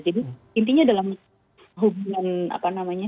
jadi intinya dalam hubungan apa namanya